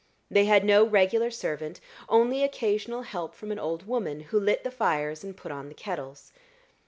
They had no regular servant only occasional help from an old woman, who lit the fires and put on the kettles.